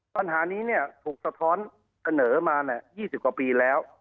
ปัญหานี้ถูกสะท้อนเสนอมา๒๐กว่าปีแล้ว